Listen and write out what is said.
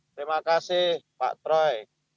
terima kasih pak troy